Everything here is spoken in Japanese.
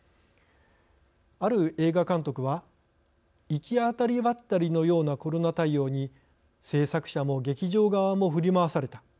ある映画監督は「行き当たりばったりのようなコロナ対応に製作者も劇場側も振り回された。